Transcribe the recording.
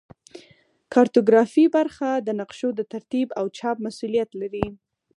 کارتوګرافي برخه د نقشو د ترتیب او چاپ مسوولیت لري